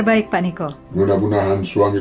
aku pergi dan tak bersungut